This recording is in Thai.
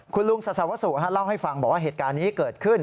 คุณลุงสัสสาวสุเล่าให้ฟังบอกว่าเหตุการณ์นี้เกิดขึ้น